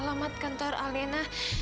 kamu mau ke kantor alena